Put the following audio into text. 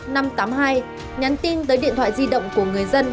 nhắn tin tới điện thoại di động của người dân